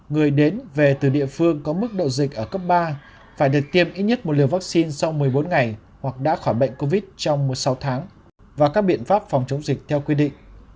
người đến về từ địa phương có mức độ dịch ở cấp ba phải được tiêm ít nhất một liều vaccine sau một mươi bốn ngày hoặc đã khỏi bệnh covid trong một mươi sáu tháng và các biện pháp phòng chống dịch theo quy định